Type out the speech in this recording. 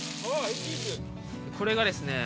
これがですね